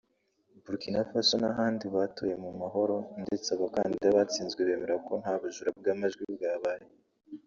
Bourkina Faso n’ahandi batoye mu mahoro ndetse abakandida batsinzwe bemera ko nta bujura bw’amajwi bwabaye